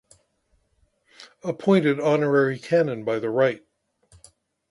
Appointed Honorary Canon by the Rt.